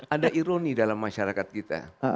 ada ironi dalam masyarakat kita